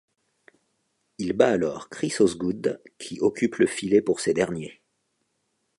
Il bat alors Chris Osgood qui occupe le filet pour ces derniers.